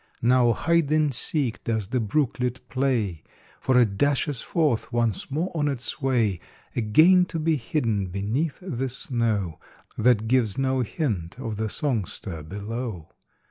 Now hide and seek does the brooklet play, For it dashes forth once more on its way, Again to be hidden beneath the snow, That gives no hint of the songster below.